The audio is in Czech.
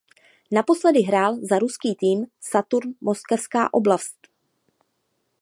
Naposledy hrál za ruský tým Saturn Moskevská oblast.